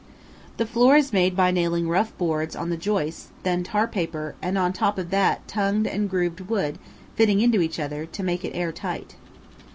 The floor is made by nailing rough boards on the joists, then tar paper, and on the top of that tongued and grooved wood fitting into each other, to make it air tight.